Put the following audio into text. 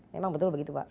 memang betul begitu pak